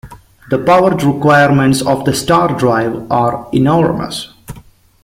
The power requirements of the stardrive are enormous.